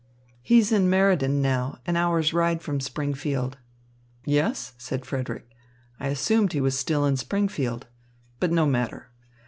"He's in Meriden now, an hour's ride from Springfield." "Yes?" said Frederick, "I assumed he was still in Springfield. But no matter.